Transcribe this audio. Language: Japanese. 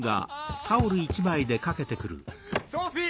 ソフィー！